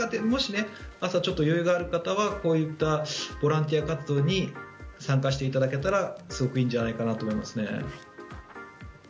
もし朝ちょっと余裕がある方はこういったボランティア活動に参加していただけたらすごくいいんじゃないかと思いますね。